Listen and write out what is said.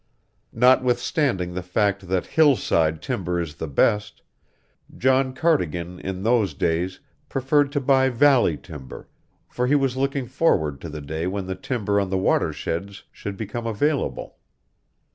Notwithstanding the fact that hillside timber is the best, John Cardigan in those days preferred to buy valley timber, for he was looking forward to the day when the timber on the watersheds should become available.